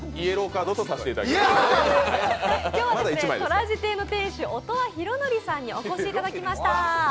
今日はとらじ亭の店主・音羽宏津さんにお越しいただきました。